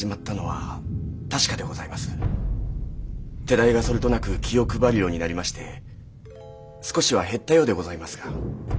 手代がそれとなく気を配るようになりまして少しは減ったようでございますが。